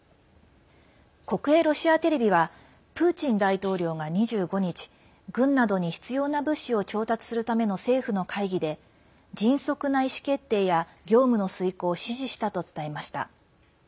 国営ロシアテレビはプーチン大統領が２５日軍などに必要な物資を調達するための政府の会議で迅速な意思決定や業務の遂行を指示したと伝えました。